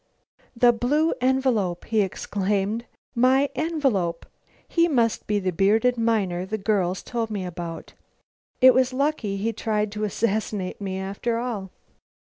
"The blue envelope," he exclaimed. "My blue envelope. He must be the bearded miner the girls told me about. It was lucky he tried to assassinate me after all."